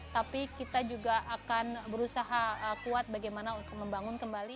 tapi kita juga akan berusaha kuat bagaimana untuk membangun kembali